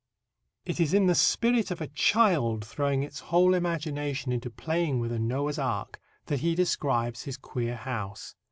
It is in the spirit of a child throwing its whole imagination into playing with a Noah's Ark that he describes his queer house.